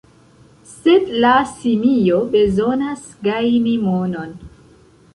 Sed la simio bezonas gajni monon.